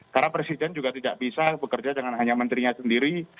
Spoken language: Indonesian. karena presiden juga tidak bisa bekerja dengan hanya menterinya sendiri